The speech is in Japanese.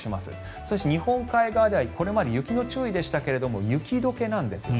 そして、日本海側ではこれまで雪の注意でしたが雪解けなんですよね。